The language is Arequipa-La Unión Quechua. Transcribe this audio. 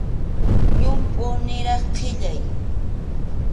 Llampʼu niraq qʼillay.